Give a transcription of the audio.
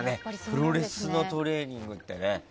プロレスのトレーニングってね。